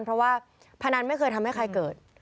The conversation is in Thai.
เพราะว่าพนันไม่เคยทำให้ใครเกิด